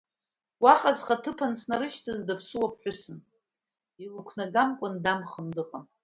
Уаҟа зхаҭыԥан снарышьҭыз даԥсуа ԥҳәысын, илықәнагамкәан дамхны дыҟан.